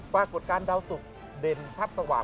ปรากฏการณ์ดาวสุขเด่นชัดต่างหวัง